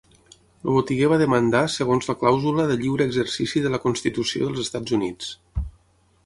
El botiguer va demandar segons la clàusula de lliure exercici de la constitució dels Estats Units.